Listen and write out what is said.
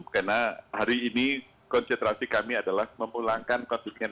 karena hari ini konsentrasi kami adalah memulangkan konfliknya